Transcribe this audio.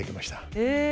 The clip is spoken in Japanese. へえ。